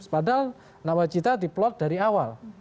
padahal nama cita diplot dari awal